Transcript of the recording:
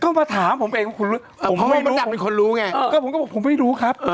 ก็มาถามผมเองผมไม่รู้ผมไม่รู้ครับ